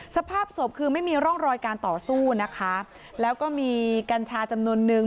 สภาพศพคือไม่มีร่องรอยการต่อสู้นะคะแล้วก็มีกัญชาจำนวนนึง